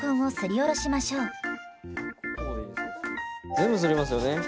全部すりますよね？